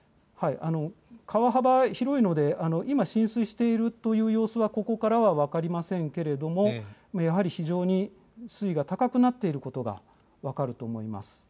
川幅広いので、今、浸水しているという様子は、ここからは分かりませんけれども、やはり非常に水位が高くなっていることが分かると思います。